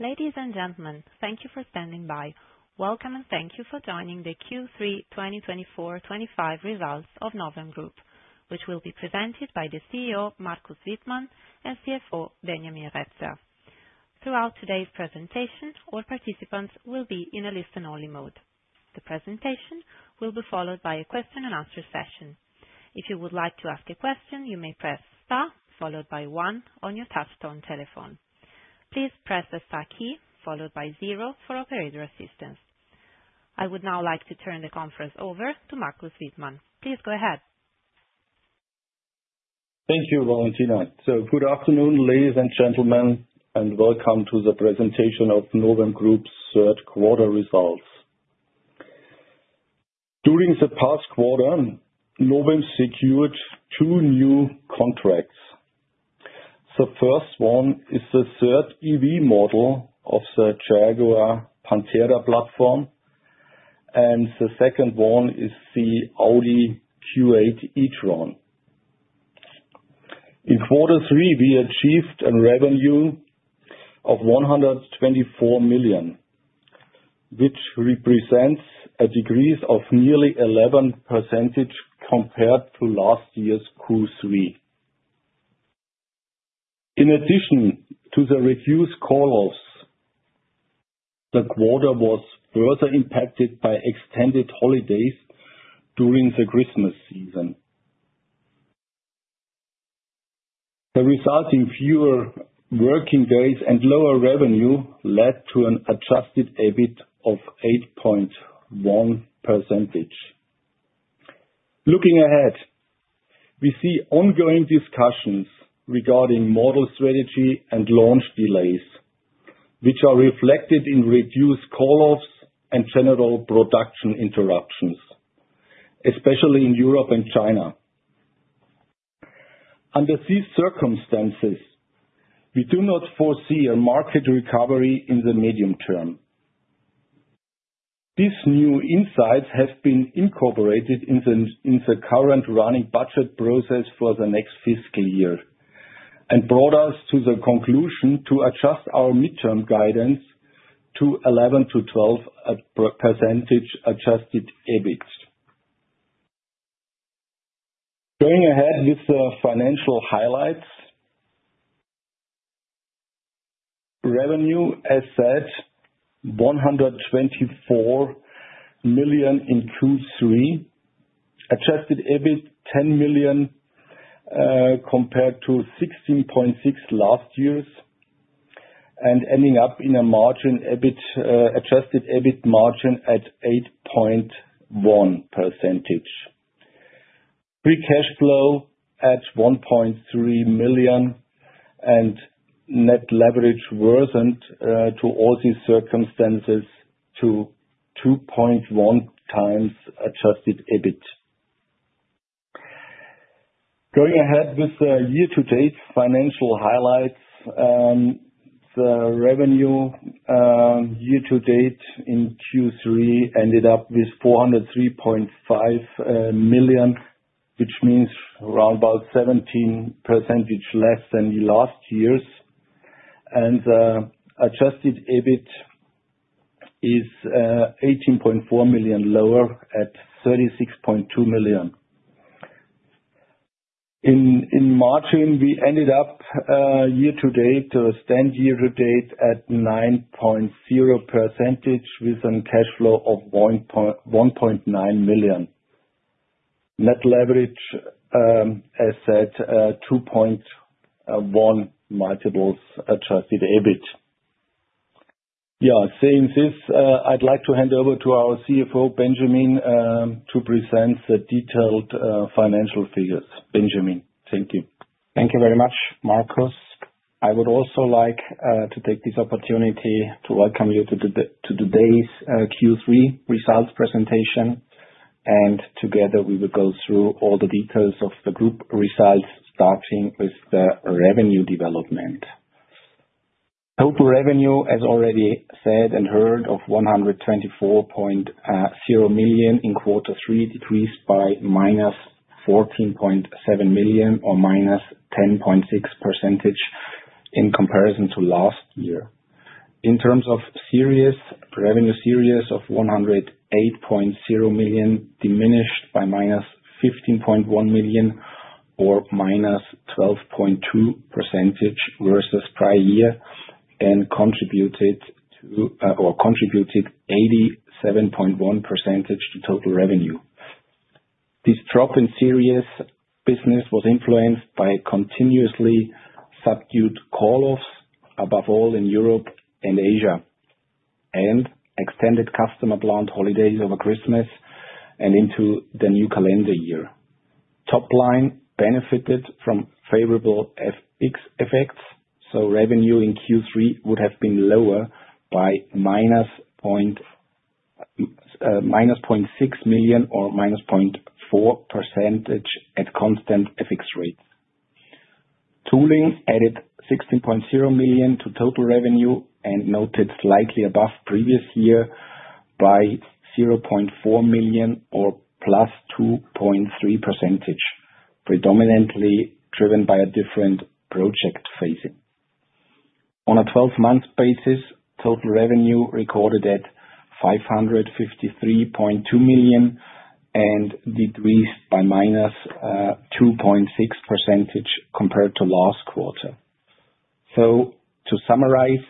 Ladies and gentlemen, thank you for standing by. Welcome, and thank you for joining the Q3 2024/2025 results of Novem Group, which will be presented by the Chief Executive Officer, Markus Wittmann, and Chief Financial Officer, Benjamin Retzer. Throughout today's presentation, all participants will be in a listen-only mode. The presentation will be followed by a question and answer session. If you would like to ask a question, you may press star followed by one on your touchtone telephone. Please press the star key followed by zero for operator assistance. I would now like to turn the conference over to Markus Wittmann. Please go ahead. Thank you, Valentina. Good afternoon, ladies and gentlemen, and welcome to the presentation of Novem Group's third quarter results. During the past quarter, Novem secured two new contracts. The first one is the third EV model of the Jaguar Panthera platform, and the second one is the Audi Q8 e-tron. In quarter three, we achieved a revenue of 124 million, which represents a decrease of nearly 11% compared to last year's Q3. In addition to the reduced call-offs, the quarter was further impacted by extended holidays during the Christmas season. The resulting fewer working days and lower revenue led to an adjusted EBIT of 8.1%. Looking ahead, we see ongoing discussions regarding model strategy and launch delays, which are reflected in reduced call-offs and general production interruptions, especially in Europe and China. Under these circumstances, we do not foresee a market recovery in the medium term. These new insights have been incorporated in the current running budget process for the next fiscal year, and brought us to the conclusion to adjust our midterm guidance to 11% to 12% adjusted EBIT. Going ahead with the financial highlights. Revenue, as said, 124 million in Q3. Adjusted EBIT, 10 million, compared to 16.6 last year, and ending up in a margin, EBIT, adjusted EBIT margin at 8.1%. Free cash flow at 1.3 million, and net leverage worsened, to all these circumstances, to 2.1x adjusted EBIT. Going ahead with the year-to-date financial highlights, the revenue year-to-date in Q3 ended up with 403.5 million, which means around about 17% less than last year's. Adjusted EBIT is 18.4 million lower at 36.2 million. In margin, we ended up year-to-date to stand year-to-date at 9.0%, with a cash flow of 1.9 million. net leverage as at 2.1x Adjusted EBIT. Yeah, saying this, I'd like to hand over to our Chief Financial Officer, Benjamin, to present the detailed financial figures. Benjamin, thank you. Thank you very much, Markus. I would also like to take this opportunity to welcome you to today's Q3 results presentation, and together, we will go through all the details of the group results, starting with the revenue development. Total revenue, as already said and heard, of 124.0 million in quarter three, decreased by minus 14.7 million or minus 10.6% in comparison to last year. In terms of Series, revenue series of 108.0 million, diminished by minus 15.1 million or minus 12.2% versus prior year, and contributed to, or contributed 87.1% to total revenue. This drop in series business was influenced by continuously subdued call-offs, above all in Europe and Asia, and extended customer plant holidays over Christmas and into the new calendar year. Top line benefited from favorable FX effects, so revenue in Q3 would have been lower by -0.6 million or -0.4% at constant FX rates. Tooling added 16.0 million to total revenue and noted slightly above previous year by 0.4 million or +2.3%, predominantly driven by a different project phasing. On a 12-month basis, total revenue recorded at 553.2 million, and decreased by -2.6% compared to last quarter. So to summarize,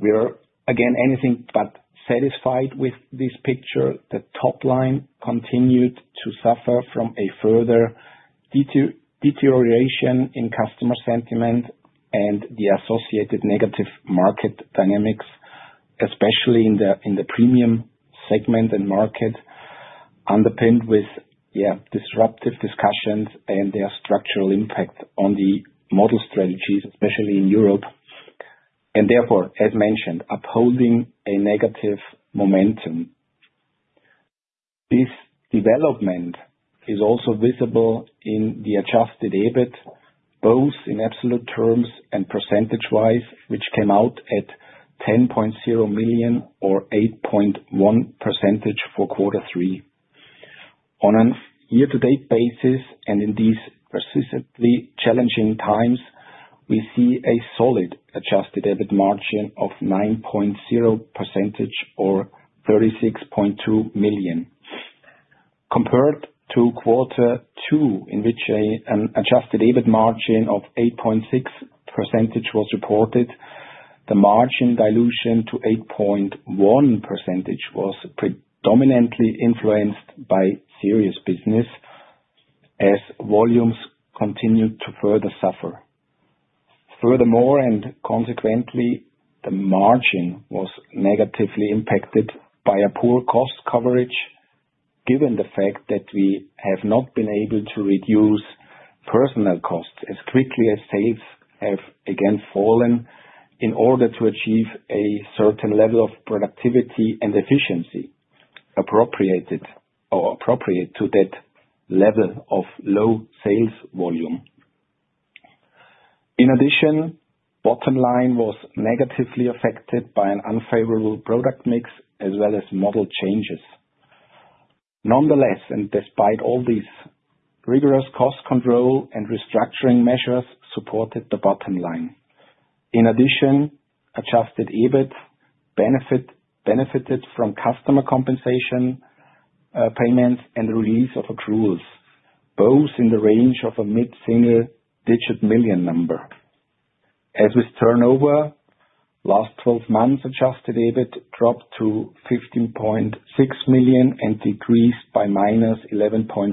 we are, again, anything but satisfied with this picture. The top line continued to suffer from a further deterioration in customer sentiment and the associated negative market dynamics, especially in the premium segment and market, underpinned with disruptive discussions and their structural impact on the model strategies, especially in Europe, and therefore, as mentioned, upholding a negative momentum. This development is also visible in the adjusted EBIT, both in absolute terms and percentage-wise, which came out at 10.0 million or 8.1% for quarter three. On a year-to-date basis, and in these persistently challenging times, we see a solid adjusted EBIT margin of 9.0% or 36.2 million. Compared to quarter two, in which a adjusted EBIT margin of 8.6% was reported, the margin dilution to 8.1% was predominantly influenced by series business as volumes continued to further suffer. Furthermore, and consequently, the margin was negatively impacted by a poor cost coverage, given the fact that we have not been able to reduce personnel costs as quickly as sales have again fallen, in order to achieve a certain level of productivity and efficiency appropriate to that level of low sales volume. In addition, bottom line was negatively affected by an unfavorable product mix as well as model changes. Nonetheless, and despite all these, rigorous cost control and restructuring measures supported the bottom line. In addition, adjusted EBIT benefited from customer compensation payments and release of accruals, both in the range of a mid-single-digit million EUR. As with turnover, last twelve months, adjusted EBIT dropped to 15.6 million and decreased by -11.5%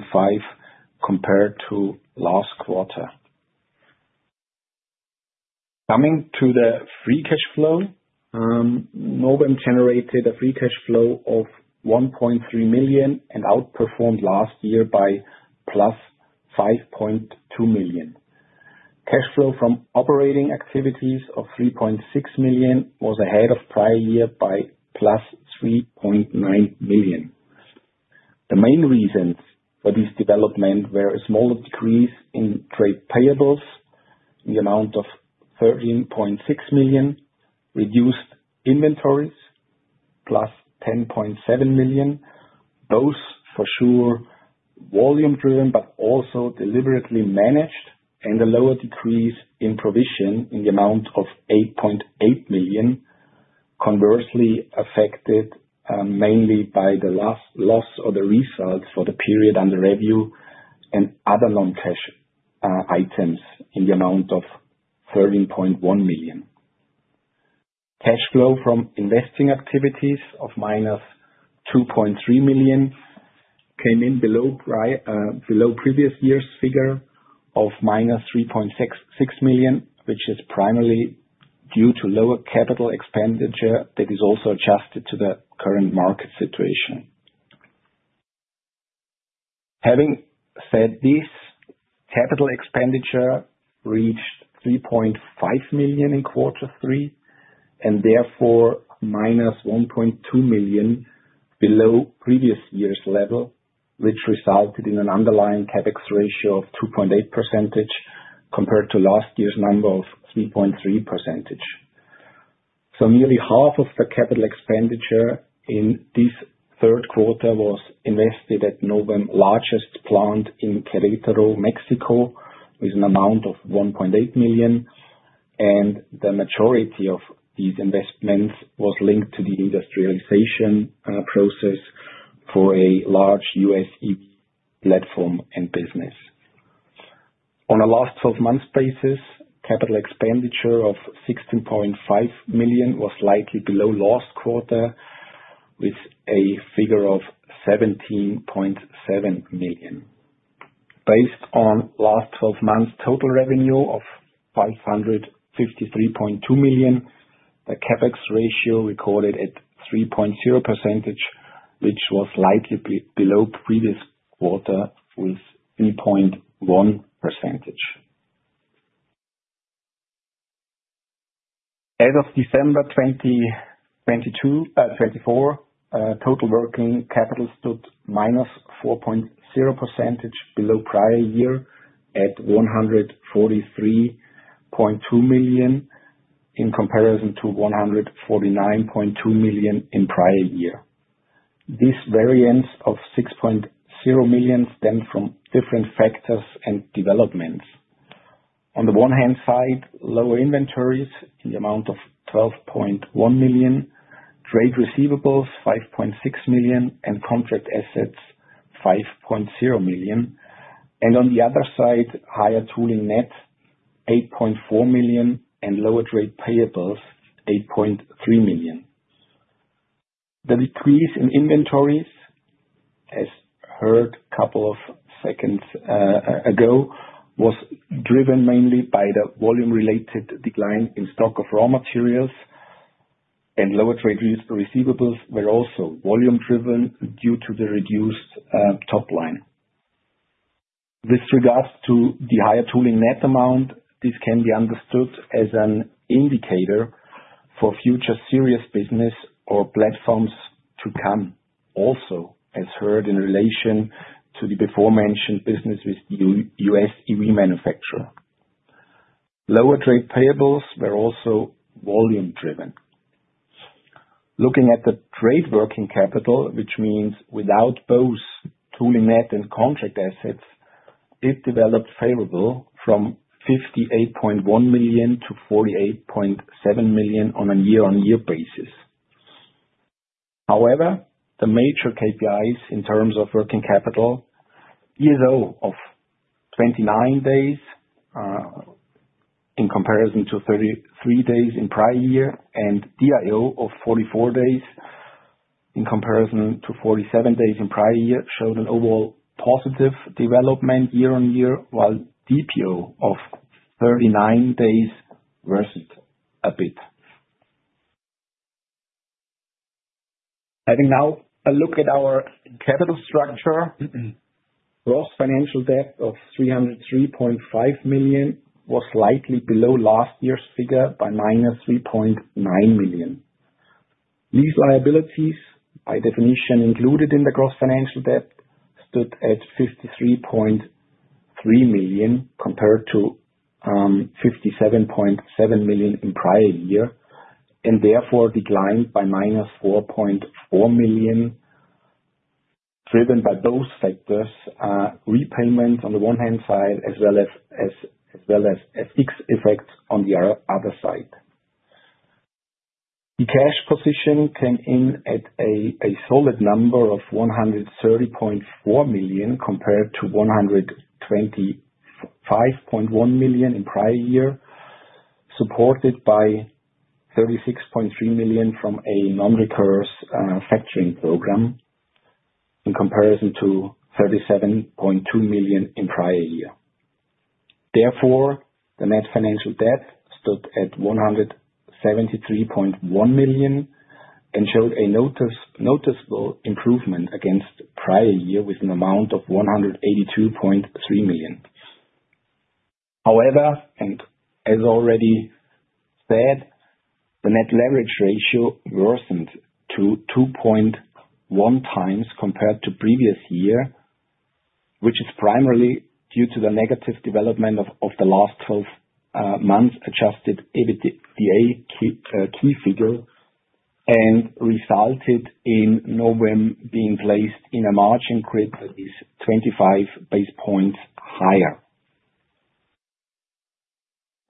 compared to last quarter. Coming to the free cash flow, Novem generated a free cash flow of 1.3 million and outperformed last year by +5.2 million. Cash flow from operating activities of 3.6 million was ahead of prior year by +3.9 million. The main reasons for this development were a small decrease in trade payables in the amount of 13.6 million, reduced inventories, +10.7 million, both for sure, volume-driven, but also deliberately managed, and a lower decrease in provision in the amount of 8.8 million. Conversely, affected mainly by the net loss or the results for the period and receivables and other non-cash items in the amount of 13.1 million. Cash flow from investing activities of -2.3 million came in below previous year's figure of -3.66 million, which is primarily due to lower capital expenditure that is also adjusted to the current market situation. Having said this, capital expenditure reached 3.5 million in quarter three, and therefore, -1.2 million below previous year's level, which resulted in an underlying CapEx ratio of 2.8%, compared to last year's number of 3.3%. So nearly half of the capital expenditure in this third quarter was invested at Novem's largest plant in Querétaro, Mexico, with an amount of 1.8 million, and the majority of these investments was linked to the industrialization process for a large US EV platform and business. On a last twelve months basis, capital expenditure of 16.5 million was slightly below last quarter, with a figure of 17.7 million. Based on last twelve months total revenue of 553.2 million, the CapEx ratio recorded at 3.0%, which was slightly below previous quarter, with 3.1%. As of December 2024, total working capital stood -4.0% below prior year, at 143.2 million, in comparison to 149.2 million in prior year. This variance of 6.0 million stem from different factors and developments. On the one hand side, lower inventories in the amount of 12.1 million, trade receivables, 5.6 million, and contract assets, 5.0 million. And on the other side, higher tooling net, 8.4 million, and lower trade payables, 8.3 million. The decrease in inventories, as heard a couple of seconds ago, was driven mainly by the volume-related decline in stock of raw materials, and lower trade receivables were also volume driven due to the reduced top line. With regards to the higher tooling net amount, this can be understood as an indicator for future series business or platforms to come, also as heard in relation to the aforementioned business with US EV manufacturer. Lower trade payables were also volume driven. Looking at the trade working capital, which means without both tooling net and contract assets, it developed favorable from 58.1 million to 48.7 million on a year-on-year basis. However, the major KPIs in terms of working capital, DSO of 29 days, in comparison to 33 days in prior year, and DIO of 44 days in comparison to 47 days in prior year, showed an overall positive development year on year, while DPO of 39 days worsened a bit. Having now a look at our capital structure, gross financial debt of 303.5 million was slightly below last year's figure by -3.9 million. Lease liabilities, by definition, included in the gross financial debt, stood at 53.3 million, compared to 57.7 million in prior year, and therefore declined by -4.4 million, driven by those factors, repayment on the one-hand side, as well as a FX effect on the other side. The cash position came in at a solid number of 130.4 million, compared to 125.1 million in prior year, supported by 36.3 million from a non-recourse factoring program, in comparison to 37.2 million in prior year. Therefore, the net financial debt stood at 173.1 million and showed a noticeable improvement against prior year, with an amount of 182.3 million. However, and as already said, the net leverage ratio worsened to 2.1 times compared to previous year, which is primarily due to the negative development of the last twelve months adjusted EBITDA key figure, and resulted in Novem being placed in a margin group that is 25 base points higher.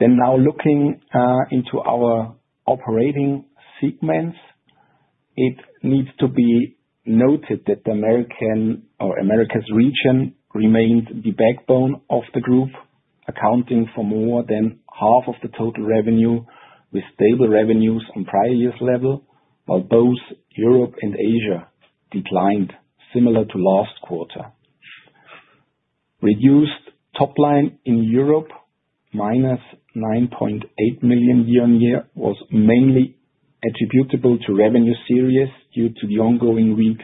Now looking into our operating segments, it needs to be noted that the Americas region remained the backbone of the group, accounting for more than half of the total revenue, with stable revenues on prior years level, while both Europe and Asia declined similar to last quarter. Reduced top line in Europe, minus 9.8 million year-on-year, was mainly attributable to revenue series due to the ongoing weak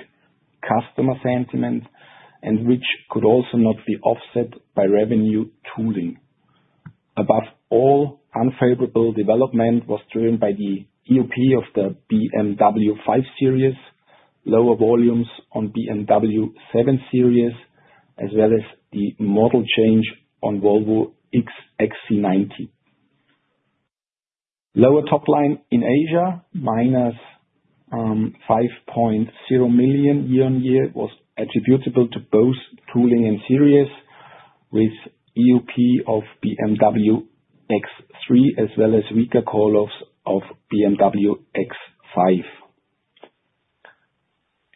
customer sentiment, and which could also not be offset by revenue tooling. Above all, unfavorable development was driven by the EOP of the BMW 5 Series, lower volumes on BMW 7 Series, as well as the model change on Volvo XC90. Lower top line in Asia, minus 5.0 million year-on-year, was attributable to both tooling and series, with EOP of BMW X3, as well as weaker call-offs of BMW X5.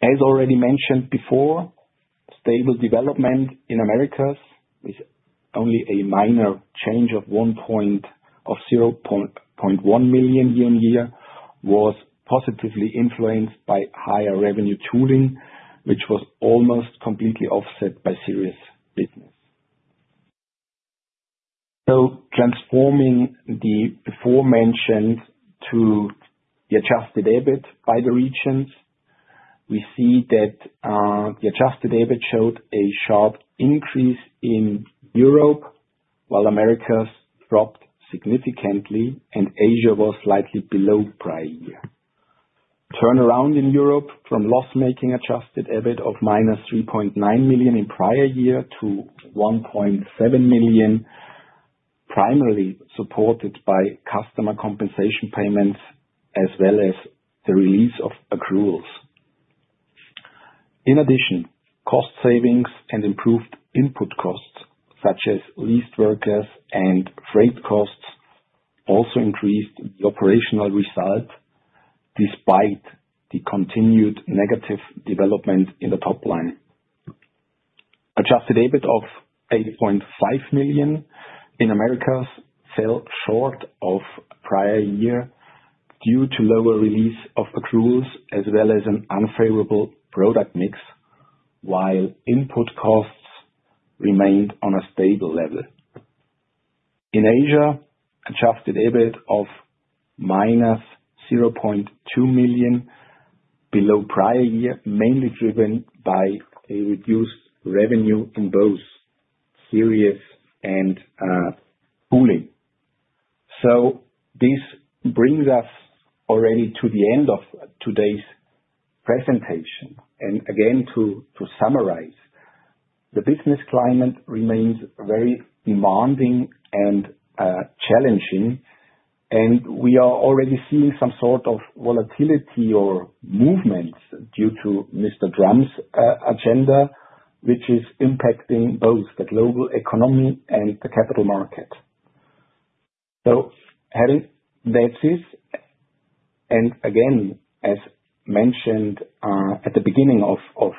As already mentioned before, stable development in Americas is only a minor change of 0.1 million year-on-year, was positively influenced by higher revenue tooling, which was almost completely offset by series business. Transforming the aforementioned to the adjusted EBIT by the regions, we see that the adjusted EBIT showed a sharp increase in Europe, while Americas dropped significantly and Asia was slightly below prior year. Turnaround in Europe from loss-making adjusted EBIT of minus 3.9 million in prior year to 1.7 million, primarily supported by customer compensation payments, as well as the release of accruals. In addition, cost savings and improved input costs, such as leased workers and freight costs, also increased the operational result, despite the continued negative development in the top line. adjusted EBIT of 8.5 million in Americas fell short of prior year due to lower release of accruals, as well as an unfavorable product mix, while input costs remained on a stable level. In Asia, adjusted EBIT of -0.2 million, below prior year, mainly driven by a reduced revenue in both series and tooling. So this brings us already to the end of today's presentation. And again, to summarize, the business climate remains very demanding and challenging, and we are already seeing some sort of volatility or movements due to Mr. Trump's agenda, which is impacting both the global economy and the capital market. So having that said, and again, as mentioned at the beginning of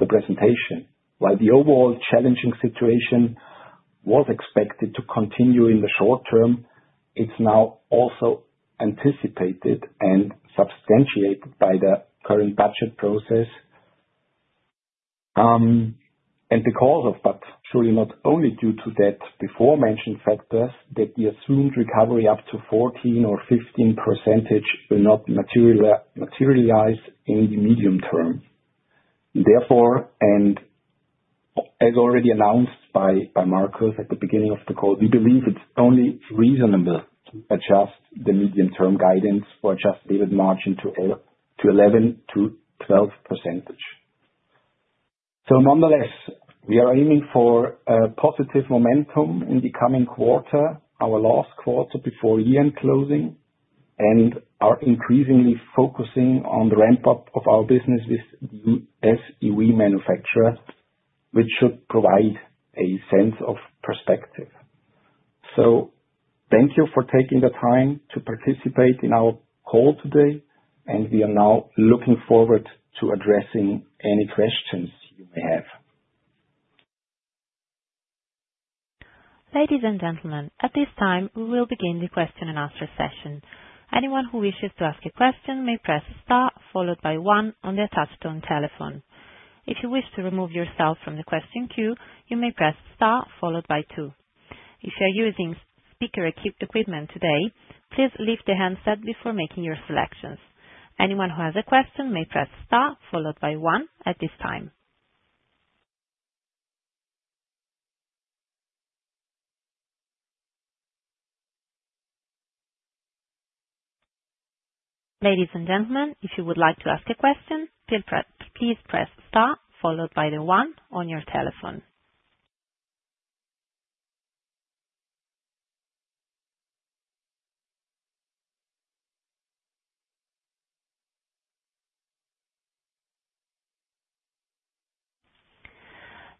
the presentation, while the overall challenging situation was expected to continue in the short term, it's now also anticipated and substantiated by the current budget process. And because of that, surely not only due to that before mentioned factors, the assumed recovery up to 14 or 15% will not materialize in the medium term. Therefore, and as already announced by Markus at the beginning of the call, we believe it's only reasonable to adjust the medium-term guidance for Adjusted EBIT margin to 11% to 12%. So nonetheless, we are aiming for a positive momentum in the coming quarter, our last quarter before year-end closing, and are increasingly focusing on the ramp-up of our business with OEM manufacturer, which should provide a sense of perspective. Thank you for taking the time to participate in our call today, and we are now looking forward to addressing any questions you may have. Ladies and gentlemen, at this time, we will begin the question and answer session. Anyone who wishes to ask a question may press star followed by one on the touch tone telephone. If you wish to remove yourself from the question queue, you may press star followed by two. If you are using speaker-equipped equipment today, please leave the handset before making your selections. Anyone who has a question may press star followed by one at this time. Ladies and gentlemen, if you would like to ask a question, please press, please press star followed by the one on your telephone.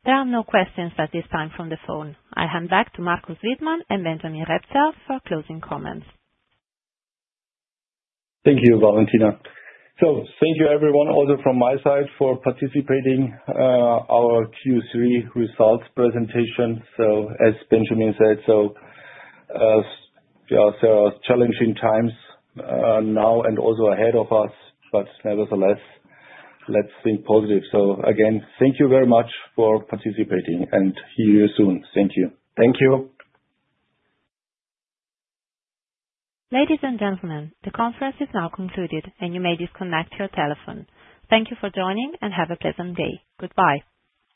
There are no questions at this time from the phone. I hand back to Markus Wittmann and Benjamin Retzer for closing comments. Thank you, Valentina. Thank you, everyone, also from my side, for participating, our Q3 results presentation. As Benjamin said, there are challenging times, now and also ahead of us, but nevertheless, let's think positive. Again, thank you very much for participating, and see you soon. Thank you. Thank you. Ladies and gentlemen, the conference is now concluded, and you may disconnect your telephone. Thank you for joining, and have a pleasant day. Goodbye.